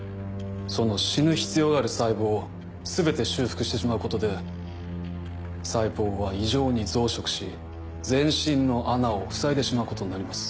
その死ぬ必要がある細胞を全て修復してしまうことで細胞は異常に増殖し全身の穴をふさいでしまうことになります。